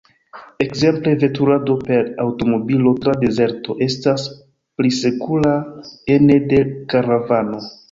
Ekzemple veturado per aŭtomobilo tra dezerto estas pli sekura ene de karavano.